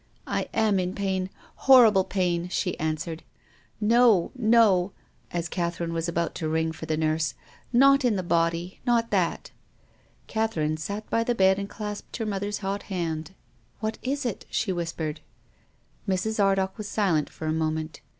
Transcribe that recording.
" I am in pain, horrible pain," she answered. " No — no," as Catherine was about to ring for the nurse, " not in the body — not that." Catherine sat down by the bed and clasped her mother's hot hand. " What is it ?" she whispered. Mrs. Ardagh was silent for a moment.